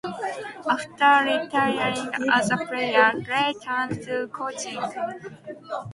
After retiring as a player, Gray turned to coaching.